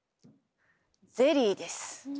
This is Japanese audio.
ゼリーです。